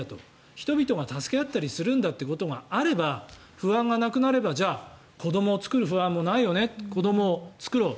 人々が助け合ったりするんだということがあれば不安がなくなればじゃあ、子どもを作る不安もないよね子どもを作ろう。